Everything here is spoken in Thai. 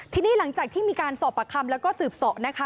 ทีนี้หลังจากที่มีการสอบปากคำแล้วก็สืบเสาะนะคะ